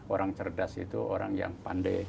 orang cerdas itu orang yang pandai